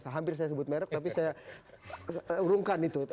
hampir saya sebut merek tapi saya urungkan itu